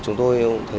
chúng tôi cũng thấy là